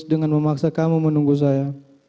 dengan memaksa kamu menunggu saya